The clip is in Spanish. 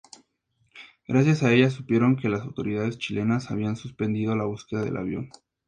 Gracias a ella supieron que las autoridades chilenas habían suspendido la búsqueda del avión.